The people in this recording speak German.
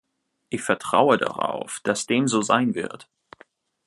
Ich vertraue darauf, dass dem so sein wird.